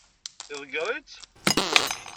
Iḍeggeṛ-itt?